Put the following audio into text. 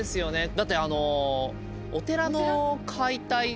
だってあの。